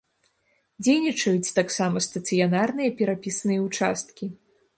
Дзейнічаюць таксама стацыянарныя перапісныя ўчасткі.